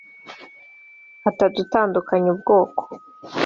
atagutandukanya ubwoko